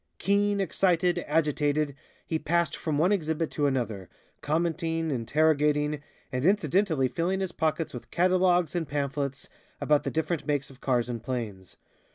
Keen, excited, agitated, he passed from one exhibit to another, commenting, interrogating, and incidentally filling his pockets with catalogues and pamphlets about the different makes of cars and planes.